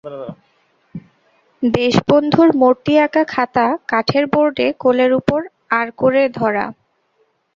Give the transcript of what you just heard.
দেশবন্ধুর মূর্তি-আঁকা খাতা কাঠের বোর্ডে কোলের উপর আড় করে ধরা।